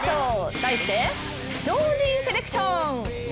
題して「超人セレクション」。